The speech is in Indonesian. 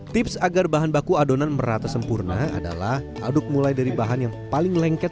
tips agar bahan baku adonan merata sempurna adalah aduk mulai dari bahan yang paling lengket